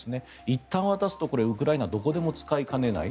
いったん渡すとウクライナはどこでも使いかねない。